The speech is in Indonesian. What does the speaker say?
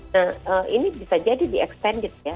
nah ini bisa jadi di extended ya